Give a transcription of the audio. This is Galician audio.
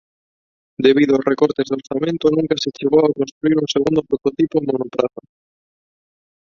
Debido ao recortes de orzamento nunca se chegou a construír un segundo prototipo monopraza.